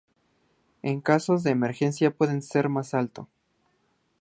En casos de emergencia puede ser más alto.